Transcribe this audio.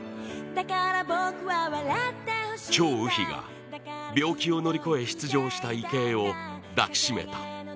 張雨霏が、病気を乗り越え出場した池江を、抱きしめた。